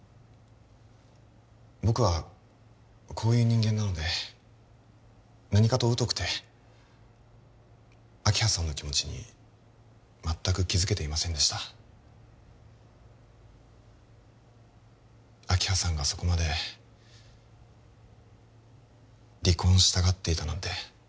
僕はこういう人間なので何かと疎くて明葉さんの気持ちに全く気づけていませんでした明葉さんがそこまで離婚したがっていたなんて